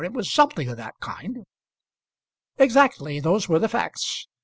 It was something of that kind." "Exactly; those were the facts.